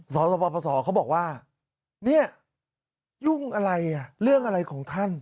สสปสเขาบอกว่าเนี่ยยุ่งอะไรอ่ะเรื่องอะไรของท่าน